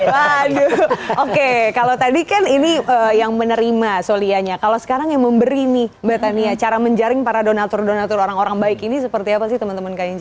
waduh oke kalau tadi kan ini yang menerima solianya kalau sekarang yang memberi nih mbak tania cara menjaring para donatur donatur orang orang baik ini seperti apa sih teman teman knc